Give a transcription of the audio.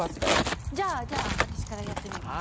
じゃあじゃあ私からやってみます。